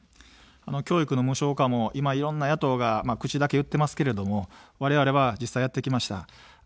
教育の無償化も今、いろんな野党が口だけ言ってますけれども、われわれは実際やってきました。